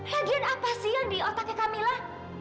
lagian apa sih yang di otaknya kamila